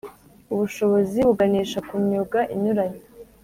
Ubushobozi buganisha ku myuga inyuranye